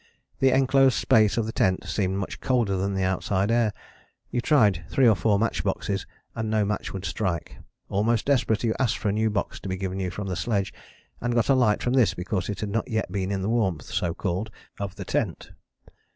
The enclosed space of the tent seemed much colder than the outside air: you tried three or four match boxes and no match would strike: almost desperate, you asked for a new box to be given you from the sledge and got a light from this because it had not yet been in the warmth, so called, of the tent.